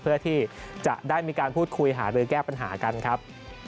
เพื่อที่จะได้มีการพูดคุยหารือแก้ปัญหากันครับ